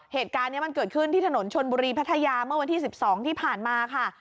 เหตุการณ์นี้มันเกิดขึ้นที่ถนนชนบุรีพัทยาเมื่อวันที่๑๒ที่ผ่านมาค่ะ